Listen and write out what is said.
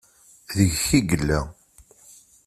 Deg-k i yella.